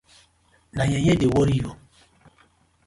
Na yeye dey worry you.